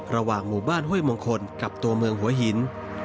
ระหว่างหมู่บ้านห้วยมงคลกับตัวเมืองหัวหิน